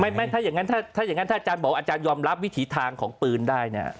ไม่ถ้าอย่างนั้นถ้าอย่างนั้นถ้าอาจารย์บอกอาจารย์ยอมรับวิถีทางของปืนได้เนี่ย